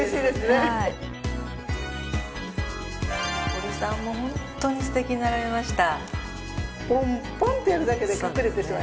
堀さんもホントにすてきになられました。